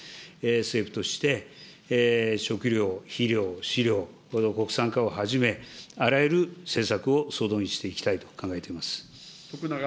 政府として食料、肥料、飼料、この国産化をはじめ、あらゆる政策を総動員していきたいと考えています。